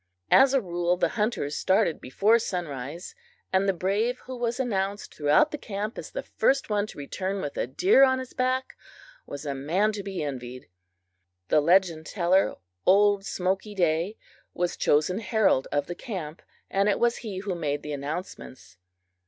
As a rule, the hunters started before sunrise, and the brave who was announced throughout the camp as the first one to return with a deer on his back, was a man to be envied. The legend teller, old Smoky Day, was chosen herald of the camp, and it was he who made the announcements.